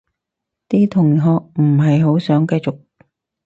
啲同學唔係好想繼續